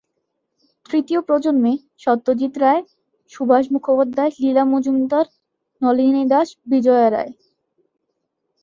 তৃতীয় প্রজন্মে সত্যজিৎ রায়, সুভাষ মুখোপাধ্যায়, লীলা মজুমদার, নলিনী দাশ, বিজয়া রায়।